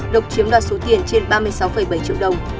lộc chiếm đoạt số tiền trên ba mươi sáu bảy triệu đồng